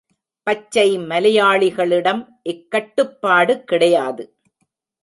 பச்சை மலையாளிகளிடம் இக் கட்டுப்பாடு கிடையாது.